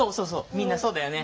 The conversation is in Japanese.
みんなそうだよね。